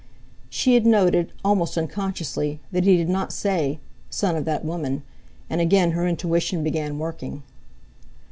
She had noted, almost unconsciously, that he did not say "son of that woman," and again her intuition began working.